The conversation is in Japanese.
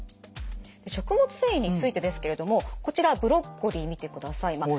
食物繊維についてですけれどもこちらブロッコリー見てください。